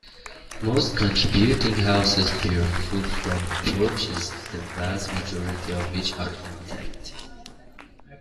Most contributing houses bear full front porches, the vast majority of which are intact.